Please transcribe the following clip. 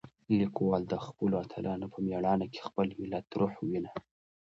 لیکوال د خپلو اتلانو په مېړانه کې د خپل ملت روح وینه.